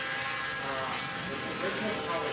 shamoldan ayab, ko‘zlarini qisdi.